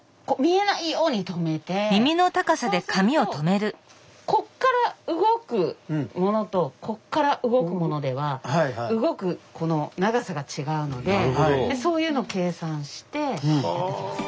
そうするとここから動くものとここから動くものでは動く長さが違うのでそういうのを計算してやっていきます。